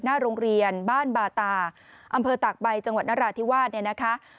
หน้าโรงเรียนบ้านบาตาอำเภอตากใบจังหวัดนราธิวาสเนี่ยนะคะ